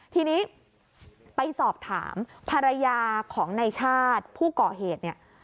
ทีนี้ไปสอบถามภรรยาของในชาติผู้ก่อเหตุเนี่ย